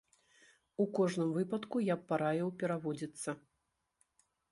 У кожным выпадку я б параіў пераводзіцца.